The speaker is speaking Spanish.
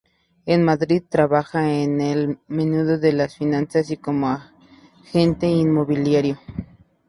En Madrid trabajó en el mundo de las finanzas y como agente inmobiliario.